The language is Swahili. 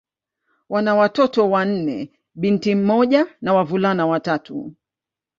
Wana watoto wanne: binti mmoja na wavulana watatu.